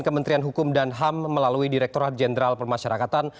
kementerian hukum dan ham melalui direkturat jenderal permasyarakatan